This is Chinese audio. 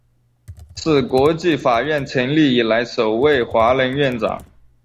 是国际法院成立以来首位华人院长。